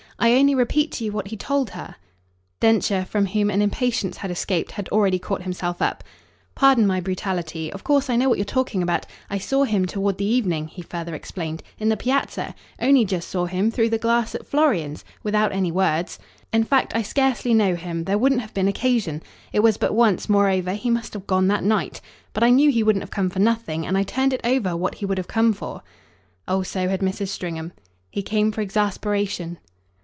"I only repeat to you what he told her." Densher, from whom an impatience had escaped, had already caught himself up. "Pardon my brutality. Of course I know what you're talking about. I saw him, toward the evening," he further explained, "in the Piazza; only just saw him through the glass at Florian's without any words. In fact I scarcely know him there wouldn't have been occasion. It was but once, moreover he must have gone that night. But I knew he wouldn't have come for nothing, and I turned it over what he would have come for." Oh so had Mrs. Stringham. "He came for exasperation."